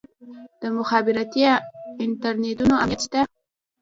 د مخابراتي انتنونو امنیت شته؟